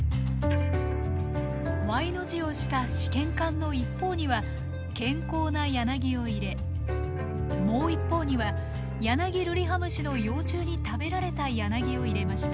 Ｙの字をした試験管の一方には健康なヤナギを入れもう一方にはヤナギルリハムシの幼虫に食べられたヤナギを入れました。